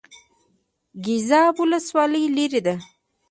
ګیزاب ولسوالۍ لیرې ده؟